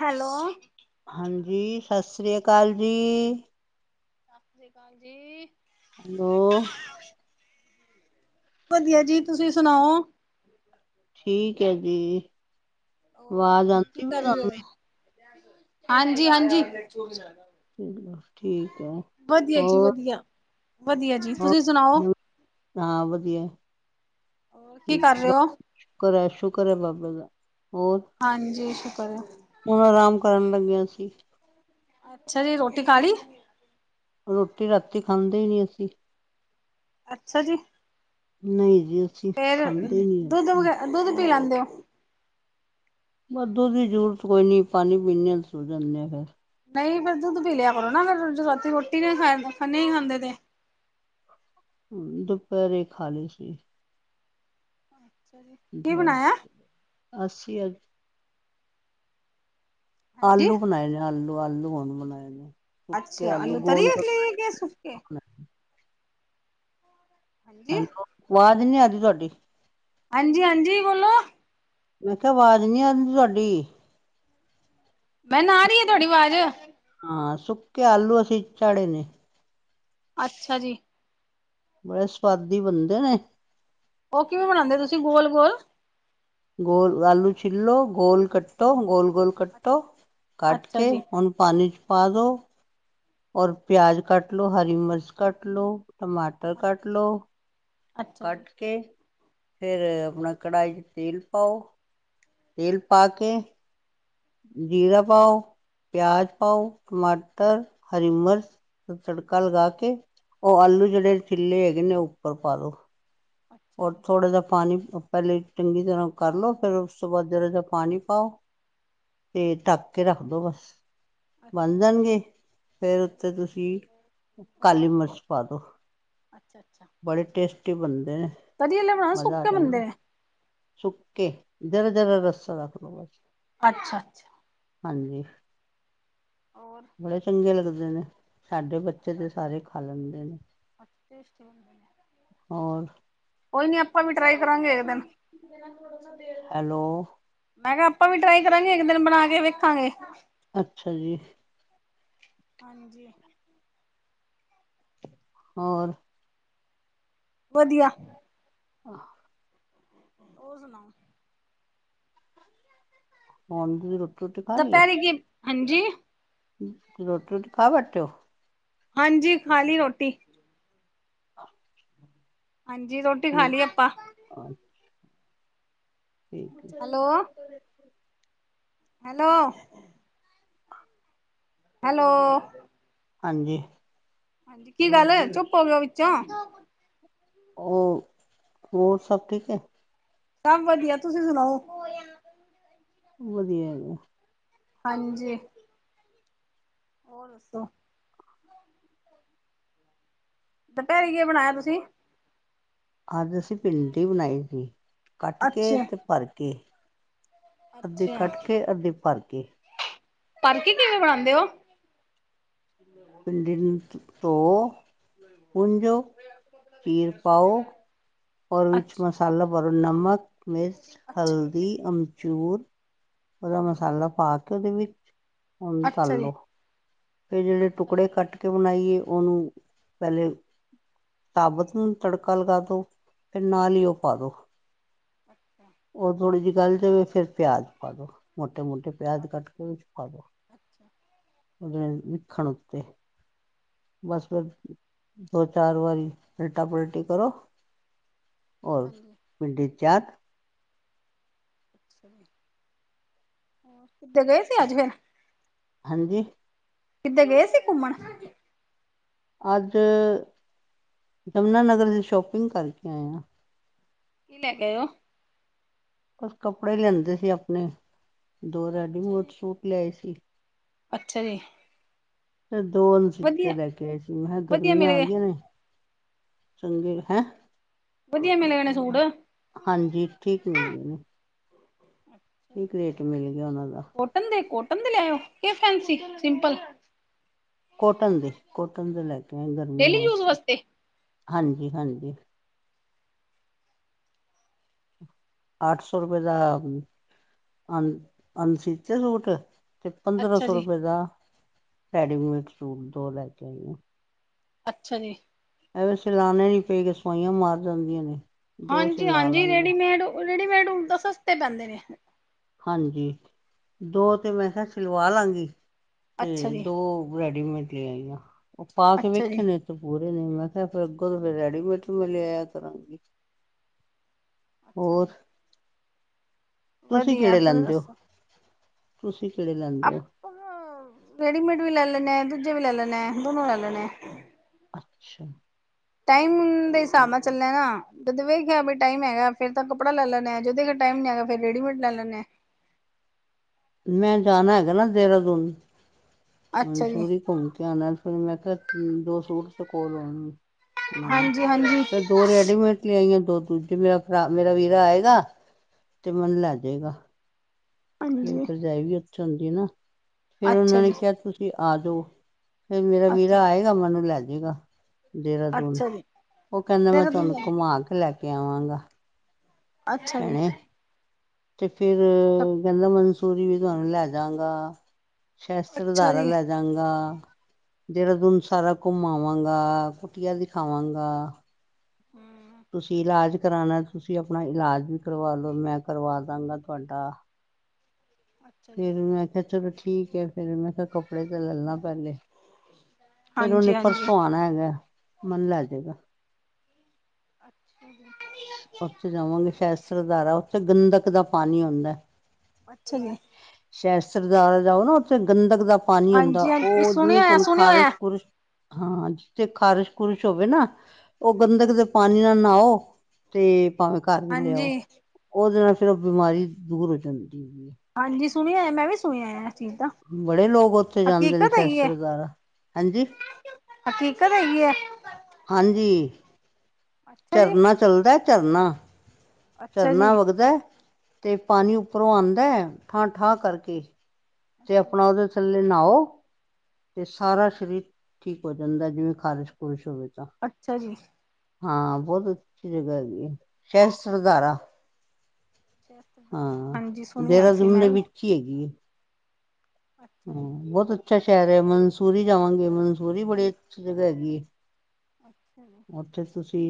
Hello, ਹਾਂਜੀ ਸਤਿ ਸ੍ਰੀ ਅਕਾਲ ਜੀ। ਸਤਿ ਸ੍ਰੀ ਅਕਾਲ ਜੀ। ਹੈਲੋ। ਵਧੀਆ ਜੀ ਤੁਸੀਂ ਸੁਣਾਓ? ਠੀਕ ਹੈ ਜੀ, ਹੋਰ ਆਵਾਜ਼ ਆਉਂਦੀ ਪਈ ਤੁਹਾਨੂੰ? ਹਾਂਜੀ- ਹਾਂਜੀ। ਚਲੋ ਠੀਕ ਹੈ, ਜੀ ਹੋਰ? ਵਧੀਆ। ਵਧੀਆ ਜੀ। ਹੋਰ, ਤੁਸੀਂ ਸੁਣਾਓ ਹਾਂ ਵਧੀਆ ਕੀ ਕਰ ਠੀਕ ਰਹੇ ਹੈ। ਹੋ? ਸ਼ੁਕਰ ਹੈ- ਸ਼ੁਕਰ ਹੈ ਬਾਬੇ ਦਾ, ਹੋਰ? ਹਾਂਜੀ ਸ਼ੁਕਰ ਹੈ। ਹੁਣ ਆਰਾਮ ਕਰਨ ਲੱਗਿਆ ਸੀ। ਅੱਛਾ ਜੀ, ਰੋਟੀ ਖਾਲੀ? ਰੋਟੀ ਰਾਤੀ ਖਾਂਦੇ ਹੀ ਨੀ ਅਸੀਂ। ਅੱਛਾ ਜੀ। ਨਹੀਂ ਜੀ ਅਸੀਂ ਫੇਰ ਖਾਂਦੇ ਹੀ ਨਹੀਂ ਦੁੱਧ ਵਗੈ ਰੋਟੀ ਦੁੱਧ ਪੀ ਲੈਂਦੇ ਹੋ? ਦੁਧ ਦੀ ਵੀ ਜ਼ਰੂਰਤ ਕੋਈ ਨੀ, ਪਾਣੀ ਪੀਨੇ ਹ ਸੋ ਜਾਂਦੇ ਆ ਫੇਰ। ਨਹੀਂ ਪਰ ਦੁੱਧ ਪੀ ਲਿਆ ਕਰੋ ਨਾ ਫੇਰ ਰਾਤੀ ਰੋਟੀ ਨਹੀਂ ਖਾਣ ਨਹੀਂ ਖਾਂਦੇ ਤੇ। ਹੂੰ ਦੁਪਹਿਰੇ ਖਾ ਲਈ ਸੀ। ਅੱਛਾ ਜੀ। ਉਧਰ ਅਸੀ ਅਜ ਹਾਂਜੀ ਆਲੂ ਬਣਾਏ ਨੇ ਆਲੂ- ਆਲੂ ਹੁਣ ਬਣਾਏ ਨੇ। ਸੁੱਕੇ ਅੱਛਾ ਆਲੂ ਤਰੀ ਗੋਲ ਗੋਲ ਵਾਲੇ ਕੇ ਸੁੱਕੇ। ਬਣਾਏ। ਹਾਂਜੀ ਹੈਲੋ ਆਵਾਜ ਨੀ ਆ ਰੀ ਤੁਹਾਡੀ। ਹਾਂਜੀ-ਹਾਂਜੀ ਬੋਲੋ। ਓਨ ਕਿਹਾ ਆਵਾਜ਼ ਨੀ ਆਂਦੀ ਤੁਹਾਡੀ। ਮੈਂਨ ਆ ਰਹੀ ਐ ਤੁਹਾਡੀ ਆਵਾਜ਼। ਹਾਂ ਸੁੱਕੇ ਆਲੂ ਅਸੀਂ ਚਾੜੇ ਨੇ। ਅੱਛਾ ਜੀ। ਬੜੇ ਸੁਆਦੀ ਬਣਦੇ ਨੇ। ਓ ਕੀਵੇਂ ਬਣਾਦੇ ਤੁਸੀਂ ਗੋਲ-ਗੋਲ? ਗੋਲ ਆਲੂ ਛੀਲੋ ਗੋਲ ਕੱਟੋ ਗੋਲ-ਗੋਲ ਕੱਟੋ ਕਟ ਅੱਛਾ ਕੇ ਜੀ। ਓ ਪਾਨੀ ਚ ਪਾ ਦੋ ਔਰ ਪੇਆਜ਼ ਕੱਟ ਲੋ ਹਰੀ ਮੀਰਚ ਕੱਟ ਲੋ ਟਮਾਟਰ ਕੱਟ ਲੋ ਅੱਛਾ ਜੀ, ਕੱਟ ਕੇ ਫੇਰ ਆਪਣਾ ਕੜਾਈ ਚ ਤੇਲ ਪਾਓ, ਤੇਲ ਪਾ ਕੇ ਜੀਰਾ ਪਾਓ ਪੇਆਜ ਪਾਓ ਟਮਾਟਰ ਹਰੀ ਮੀਰਚ ਤੜਕਾ ਲਗਾ ਕੇ ਓ ਆਲੂ ਜੇੜੇ ਛੀਲੇ ਹੈਗੇ ਨੇ ਓ ਉੱਪਰ ਪਾ ਦੋ ਅੱਛਾ ਔਰ ਜੀ, ਥੋੜਾ ਜਾ ਪਾਨੀ ਪੈਲੇ ਚੰਗੀ ਤਰਾ ਕਰ ਲੋ ਫੇਰ ਓਸ ਤੋਂ ਬਾਦ ਜਰਾ ਜਾ ਪਾਨੀ ਪਾਓ ਤੇ ਢਕ ਕੇ ਰੱਖਦੋ ਬਸ। ਅੱਛਾ ਬਣ ਜੀ ਜਾਣਗੇ ਫੇਰ ਉੱਤੇੇ ਤੁਸੀਂ ਹੋਰ ਕਾਲੀ ਮੀਰਚ ਪਾ ਦੋ ਅੱਛਾ-ਅੱਛਾ। ਬੜੇ ਟੇਸਟੀ ਬਣਦੇ ਨੇ ਤਰੀ ਆਲੇ ਬਣਾਓ ਮਜ਼ਾ ਆ ਸੁੱਕੇ ਬੰਦੇ ਜਾਂਦਾ ਨੇ ਸੁਕੇ-ਜਰਾ-ਜਰਾ ਰਸਾ ਰੱਖ ਦੋ ਬਸ। ਅੱਛਾ ਛਾ। ਹਾਂਜੀ। ਹੋਰ? ਬੜੇ ਚੰਗੇ ਲੱਗਦੇ ਨੇ, ਸਾਡੇ ਬੱਚੇ ਤੇ ਸਾਰੇ ਖਾ ਲੈਂਦੇ ਨੇ। ਟੇਸਟੀ ਹੁੰਦੇ ਨੇ। ਹੋਰ? ਕੋਈ ਨੀ ਆਪਾਂ ਵੀ ਟਰਾਈ ਕਰਾਂਗੇ ਇੱਕ ਦਿਨ। ਹੈਲੋ। ਮੈਂ ਕੇਆ ਆਪਾਂ ਵੀ ਟਰਾਈ ਕਰਾਂਗੇ ਏਕ ਦੇਨ ਬਣਾ ਕੇ ਵੇਖਾਂਗੇ। ਅੱਛਾ ਜੀ। ਹਾਂਜੀ। ਹੋਰ? ਵਦੀਆ। ਆ ਹੋਰ ਸੁਣਾਓ? [unintelligible] ਲਈਏ, ਦਪੈਰੇ ਕੀ ਹਾਂਜੀ ਰੋਟੀ ਰੋਟੀ ਖਾ ਬੈਠੇ ਓ? ਹਾਂਜੀ ਖਾ ਲੀ ਰੋਟੀ ਹਾਂਜੀ ਰੋਟੀ ਨੀ ਖਾ ਲਈ ਆਪਾਂ ਆ ਠੀਕ ਏ। ਹੈਲੋ। ਹੈਲੋ। ਹੈਲੋ। ਹਾਂਜੀ। ਹਾਂਜੀ ਕੀ ਗੱਲ ਚੁੱਪ ਹੋ ਗੇ ਓਂ ਵਿਚੋ? ਓਂ ਹੋਰ ਸਭ ਠੀਕ ਏ? ਸਭ ਵਧਦੀਆ ਤੁਸੀ ਸੁਣਾਓ? ਵਧੀਆ ਹੈਗਾ। ਹਾਂਜੀ ਹੋਰ ਦੱਸੋ? ਦੁਪੈਰੀ ਕੀਏ ਬਣਾਏਆ ਤੁਸੀ? ਅਜ ਅਸੀ ਭਿੰਡੀ ਬਣਾਈ ਸੀ, ਕਟ ਕੇ ਅੱਛਾ ਤੇ ਭਰ ਕੇ ਅੱਧੀ ਧੀ ਅੱਛਾ ਕਟ ਕੇ, ਅੱਧੀ ਭਰ ਕੇ ਭਰਕੇ ਕਿਵੇ ਬਣਾਉਦੇ ਹੋ? ਭਿੰਡੀ ਨੂੰ ਧੋ, ਪੂੰਝੋ, ਚੀਰ ਪਾਓ ਉਹਦੇ ਵਿਚ ਅੱਛਾ ਮਸਾਲਾ ਭਰੋ ਨਮਕ, ਮਿਰਚ, ਅੱਛਾ ਹਲਦੀ, ਅਮਚੂਰ ਉਹਦਾ ਹਾਂਜੀ ਮਸਾਲਾ ਪਾ ਕੇ ਉਹਦੇ ਵਿਚ, ਉਨੂ ਅੱਛਾ ਤਲ ਜੀ ਲੋ ਫਿਰ ਜਿਹੜੇ ਅੱਛਾ ਜੀ ਟੁਕੜੇ ਕੱਟ ਕੀ ਬਣਾਈਏ ਉਹਨੂੰ, ਪਹਿਲੇ ਸਾਬਤ ਨੂੰ ਤੜਕਾ ਲਗਾ ਦੋ ਫਿਰ ਨਾਲ ਹਮ ਹੀ ਉਹ ਪਾ ਦੋ ਅੱਛਾ ਉਹ ਥੋੜ੍ਹੀ ਜਿਹੀ ਗੱਲ ਜਾਵੇ ਫਿਰ ਪਿਆਜ ਪਾ ਦੋ, ਮੋਟੇ- ਮੋਟੇ ਪਿਆਜ ਕੱਟ ਅੱਛਾ ਕੇ ਵਿਚ ਪਾਦੋ ਅੱਛਾ [inaudible] ਉਹਦੇ ਵਿਚ ਮਖਣ ਉੱਤੇ। ਬਸ ਫਿਰ ਦੋ ਚਾਰ ਵਾਰੀ, ੳਲਟਾ-ਪਲਟੀ ਕਰੋ ਹੋਰ, ਹਾਂਜੀ ਪਿੰਡੀ ਤਿਆਰ [unintelligible] ਹੋਰ ਕਿਧੇ ਗਏ ਸੀ ਅਜ ਫਿਰ- ਹਾਂਜੀ। ਕਿਦੇ ਗਏ ਸੀ ਘੁੰਮਣ ਅਜ ਯਮੁਨਾਨਗਰ ਦੀ ਸ਼ੋਪਿੰਗ ਕਰਕੇ ਆਏਆਂ। ਕੀ ਲੈਕੇ ਆਏ ਉਹ? ਬਸ ਕੱਪੜੇ ਲਿਆਂਦੇ ਸੀ ਆਪਣੇ ਦੋ ਰੈਡੀਮੇਟ ਸੂਟ ਲਿਆਏ ਸੀ। ਅਛਾ ਜੀ। ਸਿਰਫ ਦੋ ਅਨਸੀਤੇ ਵਧੀਆ ਲੈ ਕੇ ਆਏ ਸੀ, ਮੈ ਕਿਹਾ ਵਧੀਆ ਮਿਲ ਗਰਮੀਆਂ ਆ ਗਏ ਗਈਆਂ ਨੇ ਚਾਈਂ ਏ, ਹੈਂ। ਵਧੀਆ ਮਿਲ ਗਏ ਨੇ ਸੂਟ ਹਾਂਜੀ, ਠੀਕ ਮਿਲਦੇ ਨੇ ਠੀਕ ਰੇਟ ਮਿਲ ਗਿਆ ਉਹਨਾ ਦਾ ਕੇਂਦੇ ਕੋਟਨ ਦੇ ਲੇਆਓ, ਕੇ ਫੇਂਸੀ ਸਿੰਪਲ ਕੋਟਨ ਦੇ ਕੋਟਨ ਦੇ ਲੈ ਕੇ ਆਏ ਗਰਮੀਆਂ ਡੇਲੀ ਯੂਜ ਵਾਸਤੇ। ਹਾਂਜੀ- ਹਾਂਜੀ ਅੱਠ ਸੌ ਰੁਪਏ ਦਾ, ਅਨ-ਅਨਸੀਤੇ ਸੂਟ ਤੇ ਪੰਦਰਾਂ ਅੱਛਾ ਸੌ ਜੀ ਰੁਪਏ ਦਾ, ਰੈਡੀਮੇਡ ਸੂਟ ਦੋ ਲੈ ਕੇ ਆਈ ਆ। ਅੱਛਾ ਜੀ। ਐ ਵਿ ਸਿਲਾਣੇੇ ਨੀ ਚਾਹਿਦੇ ਸਵਾਈਆਂ ਮਾਰ ਜਾਂਦੀਆਂ ਨੇ। ਦੋ ਹਾਂਜੀ ਸਿਲਾ -ਹਾਂਜੀ ਲਾਂਗੇ ਰੇਡੀਮੇਡ-ਰੇਡੀਮੇਡ ਹੁਨ ਤਾਂ ਸਸਤੇ ਪੈਂਦੇ ਨੇ। ਹਾਂਜੀ, ਦੋ ਤੇ ਮੈਂ ਕਿਹਾ ਸਿਲਵਾ ਲਾਂਗੀ। ਅੱਛਾ ਤੇ ਜੀ ਦੋ ਰੈਡੀਮੇਡ ਲੇਆਈਆਂ, ਉਹ ਪਾ ਕੇ ਅੱਛਾ ਜੀ ਵੇਖੇ ਨੇ। ਪੂਰੇ ਨੇ ਮੈਂ ਕਿਹਾ ਫਿਰ ਅੱਗੋਂ ਤੋਂ ਫਿਰ ਰੈਡੀਮੇਟ ਹੀ ਲਿਆਇਆ ਕਰਾਂਗੀ। ਅੱਛਾ ਜੀ ਹੋਰ। ਤੁਸੀਂ ਵਧੀਆ ਕਿਹੜੇ ਤੁਸੀਂ ਲੈਂਦੇ ਹੋ, ਦੱਸੋ ਤੁਸੀਂ ਕਿਹੜੇ ਲੈਂਦੇ ਹੋ। ਰੇਡੀਮੇਡ ਵੀ ਲੈ ਲੈੇਨੇ ਆਂ, ਦੂਜੇ ਵੀ ਲੈ ਲੈੇਨੇ ਆਂ। ਦੋਨੋ ਲੈ ਲੈਨੇ ਆ। ਅੱਛਾ। ਟਾਈਮ ਦੇ ਹਿਸਾਬ ਨਾਲ ਚੱਲਣਾ ਨਾ। ਜਦੋਂ ਵੇਖਿਆ ਵੀ ਟਾਈਮ ਹੈਗਾ ਫਿਰ ਤਾ ਕੱਪੜਾ ਲੈ ਲੈਂਨੇ ਆ, ਜਦੋਂ ਅਗਰ ਟਾਈਮ ਹੈਗਾ ਫੇਰ ਰੇਡੀਮੇਡ ਲੈ ਲੈਂਨੇ ਹਾਂ। ਮੈਂ ਜਾਣਾ ਹੈਗਾ ਨਾ ਦੇਹਰਾਦੂਨ, ਅੱਛਾ ਜੀ, ਮਨਸੂੂਰੀ ਘੁੰਮ ਕੇ ਆਨਾ ਹੇ। ਫਿਰ ਮੈਂ ਕਿਹਾ, ਦੋ ਸੂਟ ਦੇ ਕੋਲ ਹੋਣ ਨਵੇ। ਹਾਂਜੀ ਹਾਂਜੀ ਫੇਰ ਦੋ ਰੈਡੀਮੇਡ ਲੇ ਆਈਆਂ ਦੋ ਦੂਜੇ ਮੇਰਾ ਭਰਾ ਮੇਰਾ ਵੀਰਾ ਆਏਗਾ, ਤੇ ਮੈਨੁ ਲੈ ਜਾਏਗਾ। ਮੇਰੀ ਹਾਂਜੀ, ਭਰਜਾਈ ਵੀ ਉੱਥੇ ਆਉਂਦੀ ਹੇ ਨਾ, ਫੇਰ ਉਹਨਾਂ ਅੱਛਾ ਨੇ ਜੀ, ਕਿਹਾ ਤੁਸੀਂ ਆ ਜਾਓ। ਫੇਰ ਮੇਰਾ ਅੱਛਾ ਵੀਰਾ ਜੀ, ਆਏਗਾ ਮੈਨੂੰ ਲੈ ਜੇਗਾ। ਦੇਹਰਾਦੂਨ ਅੱਛਾ ਜੀ। ਓ ਕਹਿੰਦਾ ਮੈਂ ਤੁਹਾਨੂੰ ਦੇਹਰਾਦੂਨ, ਘੁਮਾ ਕੇ ਲੈ ਕੇ ਆਵਾਂਗਾ। ਅੱਛਾ ਜੀ। ਭੈਣੇ ਤੇ ਫੇਰ ਅੱਛਾ, ਕਹਿੰਦਾ ਮਨਸੂਰੀ ਵੀ ਤੁਹਾਨੂੰ ਲੈ ਜਾਗਾ। ਸ਼ਸਤਰ ਅੱਛਾ ਧਾਰਾ ਜੀ। ਲੈ ਜਾਗਾ ਦੇਹਰਾਦੂਨ ਸਾਰਾ ਘੁੰਮਾਵਾਂਗਾ ਕੁਟੀਆ ਦਿਖਾਵਾਂਗਾ। ਹੂੰ ਤੁਸੀਂ ਇਲਾਜ ਕਰਾਣਾ ਤੁਸੀਂ ਆਪਣਾ ਇਲਾਜ ਵੀ ਕਰਵਾ ਲੋ ਮੈਂ ਕਰਵਾ ਦਾਂਗਾ ਤੁਹਾਡਾ। [unintelligible] [unintelligible] [unintelligible] ਅੱਛਾ ਜੀ, ਫੇਰ ਮੈਂ ਕਿਹਾਆ ਚਲੋ ਠੀਕ ਹੈ ਫੇਰ ਮੈਂ ਕਿਹਾ ਕੱਪੜੇ ਤੇ ਲਲਾ ਪਹਿਲੇ। ਫੇਰ ਉਹਨੇ ਹਾਂਜੀ ਹਾਂਜੀ। ਪਰਸੋਂ ਆਣਾ ਹੈਗਾ, ਮੰਨ ਲੈ ਜੇਗਾ। [unintelligible] ਉੱਥੇ ਜਾਵਾਂਗੇ ਸ਼ੈਸਦਾਰਾ ਉੱਥੇ ਗੰਦਕ ਦਾ ਪਾਣੀ ਹੁੰਦਾ। ਅੱਛਾ ਜੀ। ਸ਼ੈਸ਼ਸਧਾਰਾ ਜਾਓ ਨਾ, ਉੱਥੇ ਗੰਦਕ ਦਾ ਪਾਣੀ ਆਉਂਦਾ ਹਾਂਜੀ ਹਾਂਜੀ ਉਹ ਜਿਵੇਂ ਸੁਣਿਆ ਹੋਇਆ ਤੁਹਾਨੂੰ ਸੁਣਿਆ ਹੋਇਆ, ਖ਼ਾਰਸ਼-ਖੁਰਸ਼ ਹਾਂ ਜਿੱਥੇ ਖਾਰਸ਼-ਖੂਰਸ਼ ਹੋਵੇ ਨਾ ਉਹ ਗੰਦਕ ਦੇ ਪਾਣੀ ਨਾਲ ਨਾਓ ਤੇ ਭਾਵੇਂ ਘਰ ਵੀ ਲਿਆਓ, ਹਾਂਜੀ। ਉਹਦੇ ਨਾਲ ਫੇਰ ਉਹ ਬਿਮਾਰੀ ਦੂਰ ਹੋ ਜਾਂਦੀ ਹੈਗੀ ਏ। ਹਾਂਜੀ ਸੁਣਿਆ ਮੈਂ ਵੀ ਸੁਣੀਐ ਏਸ ਚੀਜ਼ ਦਾ। ਬੜੇ ਲੋਕ ਉੱਥੇ ਜਾਂਦੇ ਨੇ ਹਕੀਕਤ ਹੈਗੀ ਏ। ਸ਼ੈਸਰਧਾਰਾ ਹਾਂਜੀ। ਹਕੀਕਤ ਹੈਗੀ ਆ। ਹਾਂਜੀ। ਜੀ, ਝਰਨਾ ਚੱਲਦਾ ਝਰਨਾ, ਅੱਛਾ ਝਰਨਾ ਜੀ। ਵਗਦਾ? ਤੇ ਪਾਣੀ ਉੱਪਰੋਂ ਆਂਦਾ ਠਾਂ-ਠਾਂ ਕਰਕੇ ਤੇ ਅੱਛਾ ਆਪਣਾ ਜੀ, ਉਹਦੇ ਥੱਲੇ ਨਾਓ ਤੇ ਸਾਰਾ ਸਰੀਰ ਠੀਕ ਹੋ ਜਾਂਦਾ ਜਿਵੇਂ ਖਾਰਿਸ਼-ਖ਼ੁਰਿਸ਼ ਹੋਵੇ ਤਾਂ। ਅੱਛਾ ਜੀ। ਹਾਂ ਬੋਤ ਅੱਛੀ ਜਗ੍ਹਾ ਹੈਗੀ ਐ ਸ਼ਹਸ਼ਰਧਾਰਾ। ਹਾਂਜੀ ਸੁਣ ਹੋਇਆ ਸੀ ਦੇਹਰਾਦੂਨ ਮੈਂ ਵੀ। [unintelligible] ਹੈਗੀ ਏ। ਅੱਛਾ ਜੀ। ਹਾਂ ਬੋਹਤ ਅੱਛਾ ਸ਼ਹਿਰ ਏ ਮਨਸੂਰੀ ਜਾਵਾਂਗੇ ਮਨਸੂਰੀ ਬੜੀ ਅੱਛੀ ਜਗ੍ਹਾ ਹੈਗੀ ਹੈ। ਅੱਛਾ ਜੀ। ਉੱਥੇ ਤੁਸੀਂ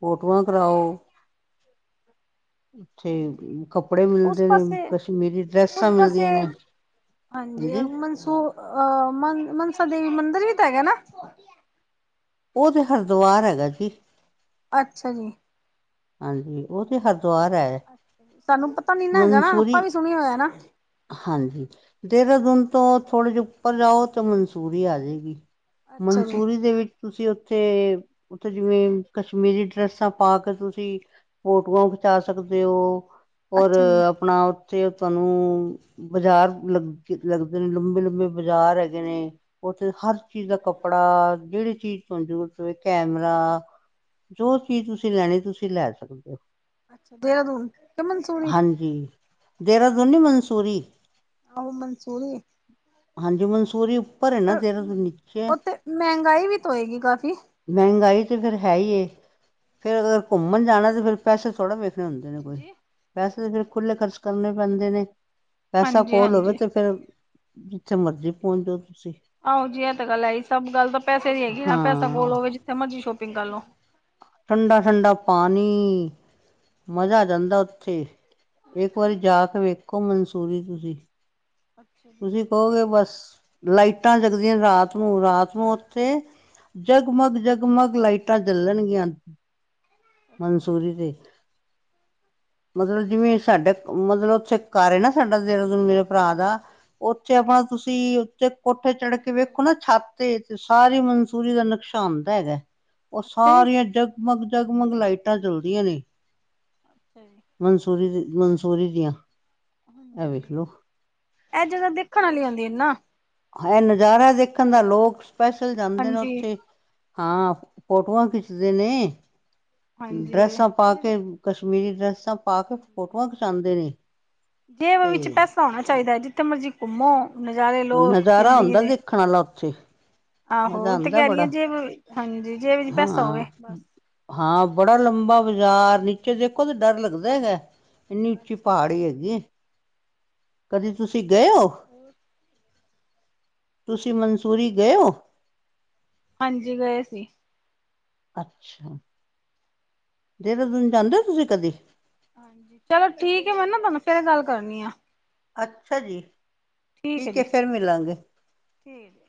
ਫੋਟੋਆਂ ਕਰਾਓ। ਉੱਥੇ ਹਾਂਜੀ। ਕੱਪੜੇ ਉਸ ਮਿਲਦੇ ਨੇ ਪਾਸੇ ਕਸ਼ਮੀਰੀ ਡਰੈਸਾਂ ਉਸ ਪਾਸੇ ਮਿਲਦੀਆਂ ਨੇ। ਹਾਂਜੀ ਮਨਸੂ ਅਹ ਮਨਸਾ ਦੇਵੀ ਮੰਦਿਰ ਵੀ ਤਾਂ ਹੈਗਾ ਨਾ। ਉਹ ਤੇ ਹਰਦੁਆਰ ਹੈਗਾ ਜੀ। ਅੱਛਾ ਜੀ। ਹਾਂਜੀ ਉਹ ਤੇ ਹਰਦੁਆਰ ਹੈ। ਸਾਨੂੰ ਪਤਾ ਨੀ ਨਾ ਹੈਗਾ ਨਾ ਮਨਸੂਰੀ ਆਪਾ ਵੀ ਸੁਣ ਹੋਇਆ ਨਾ। ਹਾਂਜੀ ਦੇਹਰਾਦੂਨ ਤੋਂ ਥੋੜੇ ਜਿਹੇ ਉੱਪਰ ਜਾਓ ਤਾਂ ਮਨਸੂਰੀ ਆ ਜੇਗੀ। ਅੱਛਾ ਜੀ ਮਨਸੂਰੀ ਦੇ ਵਿੱ ਤੁਸੀਂ ਉੱਥੇ, ਉੱਥੇ ਜਿਵੇਂ ਕਸ਼ਮੀਰੀ ਡਰੈਸਾਂ ਪਾ ਕੇ ਤੁ ਸੀਂ ਫੋਟੋਆਂ ਖਿਚਾ ਸਕਦੇ ਹੋ ਔਰ ਅੱਛਾ ਜੀ। ਆਪਣਾ ਉੱਥੇ ਤੁਹਾਨੂੰ ਬਜ਼ਾਰ ਲੱ ਲੱਗਦੇ ਨੇ ਲੰਬੇ-ਲੰਬੇ ਬਾਜ਼ਾਰ ਹੈਗੇ ਅੱਛਾ ਜੀ। ਨੇ। ਉੱਥੇ ਹਰ ਚੀਜ਼ ਦਾ ਕੱਪੜਾ ਜਿਹੜੀ ਚੀਜ਼ ਤੋਂ ਜ਼ਰੂਰਤ ਵੇ ਕੈਮਰਾ ਜੋ ਚੀਜ਼ ਤੁਸੀਂ ਲੈਣੀ ਤੁਸੀਂ ਲੈ ਸਕਦੇ ਹੋ ਅੱਛਾ ਦੇਹਰਾਦੂਨ ਕਿ ਮਨਸੂਰੀ ਹਾਂਜੀ। ਦੇਹਰਾਦੂਨੀ ਮਨਸੂਰੀ। ਆਹ ਮਨਸੂਰੀ। ਹਾਂਜੀ ਮਨਸੂਰੀ। ਹੈ ਨਾ ਪਰ ਦੇਹਰਾਦੂਨ ਨੀਚੇ ਹੈ। ਉੱਥੇ ਮਹਿੰਗਾਈ ਵੀ ਤੇ ਹੋਏਗੀ ਕਾਫ਼ੀ। ਮਹਿੰਗਾਈ ਤੇ ਫੇਰ ਹੈ ਹੀ ਫੇਰ ਅਗਰ ਘੁੰਮਣ ਜਾਣਾ ਤਾਂ ਫਿਰ ਪੈਸੇ ਥੋੜ੍ਹਾ ਵੇਖ ਪੈਸੇ ਹੁੰਦੇ ਨੇ ਕੋਈ ਹਾਂਜੀ। ਪੈਸੇ ਤਾਂ ਫਿਰ ਖੁੱਲ੍ਹੇ ਖਰਚ ਕਰਨੇ ਪੈਂਦੇ ਨੇ। ਪੈਸਾ ਹਾਂਜੀ ਕੋਲ ਹੋਵੇ ਹਾਂਜੀ। ਤੇ ਫੇਰ ਜਿੱਥੇ ਮਰਜ਼ੀ ਪਹੁੰਚ ਜਾਓ ਤੁਸੀਂ। ਆਹੋ ਜੀ ਇਹ ਤਾਂ ਗੱਲ ਆਈ ਸਭ ਗੱਲ ਤਾਂ ਪੈਸੇ ਦੀ ਹੈਗੀ ਪੈਸਾ ਹਾਂ ਕੋਲੋਵੇ ਜਿੱਥੇ ਮਰਜ਼ੀ ਸ਼ੋਪਿੰਗ ਕਰ ਲੋ। ਠੰਡਾ ਠੰਡਾ ਪਾਣੀ ਮਜ਼ਾ ਆ ਜਾਂਦਾ ਉੱਥੇ। ਇੱਕ ਵਾਰੀ ਜਾ ਕੇ ਵੇਖੋ ਮਨਸੂਰੀ ਤੁਸੀਂ ਅੱਛਾ ਜੀ ਤੁਸੀਂ ਕਹੋਗੇ ਬਸ ਲਾਈਟਾਂ ਜਗਦੀਆਂ ਰਾਤ ਨੂੰ ਰਾਤ ਨੂੰ ਉੱਥੇ ਜਗਮਗ ਜਗਮਗ ਲਾਈਟਾਂ ਜਲਣਗੀਆਂ। ਅੱਛਾ ਜੀ। ਮਨਸੂਰੀ ਦੇ ਮਤਲਬ ਜਿਵੇਂ ਸਾਡੇ ਮਤਲਬ ਚੈਕ ਘਰ ਹਿ ਨਾ ਸਾਡਾ ਦੇਹਰਾਦੂਨ ਮੇਰੇ ਭਰਾ ਦਾ ਉੱਥੇ ਆਪਾਂ ਤੁਸੀਂ ਉੱਥੇ ਕੋਠੇ ਚੜ੍ਹ ਕੇ ਅੱਛਾ ਜੀ, ਵੇਖੋ ਨਾ ਛਾਤੇ ਤੇ ਸਾਰੇ ਮਨਸੂਰੀ ਦਾ ਨਕਸ਼ਾ ਆਂਦਾ ਹੈਗਾ ਉਹ ਅੱਛਾ ਜੀ ਸਾਰੀਆਂ ਜ ਮਗ ਜਗਮਗ ਲਾਈਟਾਂ ਜਲਦੀਆਂ ਨੇ। [unintelligible] ਮਨਸੂਰੀ ਦੀ ਮਨਸੂਰੀ ਦੀਆਂ ਇਹ ਵੇਖ ਹਾਂਜੀ ਲਓ। ਇਹ ਜਗ੍ਹਾ ਦੇਖਣ ਵਾਲੀ ਆਉਂਦੀ ਨਾ। ਹੈ ਨਜ਼ਾਰਾ ਦੇਖਣ ਦਾ ਲੋਕ ਸਪੈਸ਼ਲ ਜਾਂਦੇ ਨੇ ਹਾਂਜੀ ਉੱਥੇ। ਹਾਂ ਫੋਟੋਆਂ ਖਿੱਚਦੇ ਨੇ, ਹਾਂਜੀ ਡਰੈਸਾਂ ਪਾ ਇਹ ਕੇ ਕਸ਼ਮੀਰੀ ਡਰੈਸਾਂ ਪਾ ਕੇ ਫੋਟੋਆਂ ਖਿਚਾਉਂਦੇ ਨੇ। ਜੇਬ ਤੇ ਵਿੱਚ ਪੈਸਾ ਹੋਣਾ ਚਾਹੀਦਾ ਜਿੱਥੇ ਮਰਜ਼ੀ ਘੁੰਮੋ ਨਜ਼ਾਰੇ ਲਓ ਜ਼ਿੰਦਗੀ ਦੇ। ਖਾ ਲੈ ਉੱਥੇ ਆਹੋ ਮਜ਼ਾ ਉਹ ਤੇ ਆਂਦਾ ਕਹਿ ਰਹੀ ਬੜਾ ਆ ਜੇ ਹਾਂਜੀ ਜੇ ਜਬ ਚ ਹਾਂ ਪੈਸਾ ਹੋਵੇ ਬਸ ਹਾਂ ਬੜਾ ਲੰਬਾ ਬਾਜ਼ਾਰ ਨੀਚੇ ਦੇਖੋ ਤਾਂ ਡਰ ਲੱਗਦਾ ਹੈਗਾ। ਇੰਨੀ ਉੱਚੀ ਅੱਛਾ ਜੀ ਪਹਾੜੀ ਹੈਗੀ ਕਦੇ ਤੁਸੀਂ ਅੱਛਾ ਗਏ ਜੀ ਹੋ। ਹੋਰ ਤੁਸੀਂ ਮਨਸੂਰੀ ਗਏ ਹੋ। ਹਾਂਜੀ ਗਏ ਸੀ। ਅੱਛਾ। ਦੇਹਰਾਦੂਨ ਜਾਂਦੇ ਹੋ ਤੁਸੀਂ ਕਦੀ ਚਲੋ ਠੀਕ ਹੈ ਮੈਂ ਨਾ ਤੁਹਾਨੂੰ ਫੇਰ ਗੱਲ ਕਰਨੀ ਆ ਅੱਛਾ ਜੀ। ਠੀਕ ਹੈ ਜੀ ਠੀਕ ਹੈ ਜੀ।